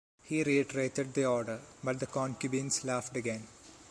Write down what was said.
He reiterated the order, but the concubines laughed again.